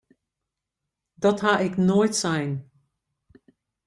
Dat ha ik noait sein!